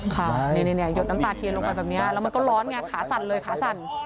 ค่ะหยดน้ำตาเทียนลงไปแบบนี้แล้วมันก็ร้อนไงขาสั่นเลยขาสั่น